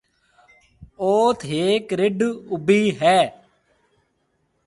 اوٿ هيڪ رڍ اُڀِي هيَ۔